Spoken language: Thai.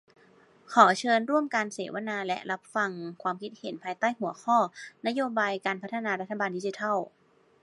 ขอเชิญร่วมการเสวนาและรับฟังความคิดเห็น ภายใต้หัวข้อ"นโยบายการพัฒนารัฐบาลดิจิทัล"